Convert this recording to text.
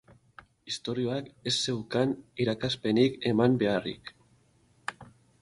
Istorioak ez zeukan irakaspenik eman beharrik.